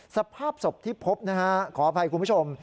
สภาพศพที่พบนะฮะขออภัยคุณผู้ชม